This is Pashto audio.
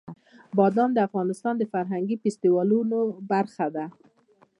بادام د افغانستان د فرهنګي فستیوالونو برخه ده.